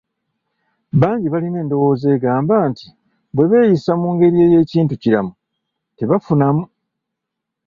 Bangi balina endowooza egamba nti, bwe beeyisa mu ngeri ey'ekintu kiramu tebafunamu.